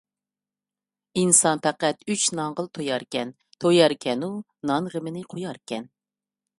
ئىنسان پەقەت ئۈچ نانغىلا توياركەن، توياركەنۇ نان غېمىنى قوياركەن ...